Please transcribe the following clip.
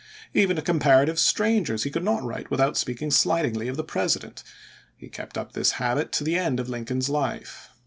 Even to comparative strangers he could not write without speaking slightingly of the President. He kept up this habit to the end of Lincoln's life.